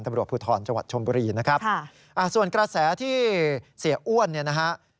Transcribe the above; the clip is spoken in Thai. ตำรวจภูทรจังหวัดชมบุรีนะครับส่วนกระแสที่เสียอ้วนเนี่ยนะฮะ